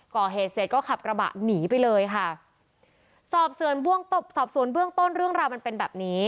ก่อเหตุเสร็จก็ขับกระบะหนีไปเลยค่ะสอบส่วนบวงตบสอบสวนเบื้องต้นเรื่องราวมันเป็นแบบนี้